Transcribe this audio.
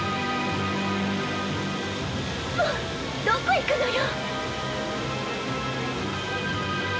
もうどこ行くのよ！